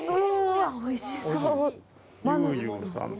おいしそう。